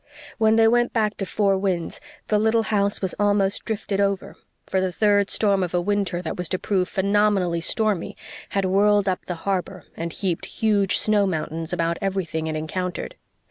When they went back to Four Winds the little house was almost drifted over, for the third storm of a winter that was to prove phenomenally stormy had whirled up the harbor and heaped huge snow mountains about everything it encountered.